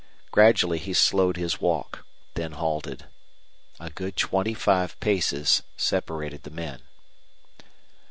Gradually he slowed his walk, then halted. A good twenty five paces separated the men.